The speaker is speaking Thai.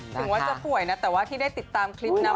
ถึงว่าจะป่วยนะแต่ว่าที่ได้ติดตามคลิปนะ